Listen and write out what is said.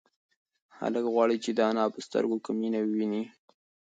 هلک غواړي چې د انا په سترگو کې مینه وویني.